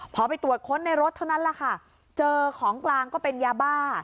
พอไปตรวจค้นในรถเท่านั้นแหละค่ะเจอของกลางก็เป็นยาบ้า